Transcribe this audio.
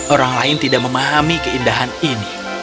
orang lain tidak memahami keindahan ini